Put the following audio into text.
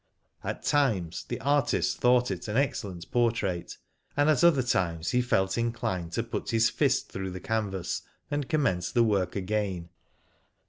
At times the artist thought it an excellent por trait, and at other times he felt inclined to put his fist through the canvas and commence the work again.